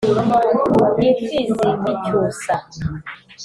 N' imfizi y' icyusa,